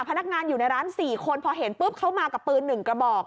พนักงานอยู่ในร้าน๔คนพอเห็นปุ๊บเขามากับปืน๑กระบอก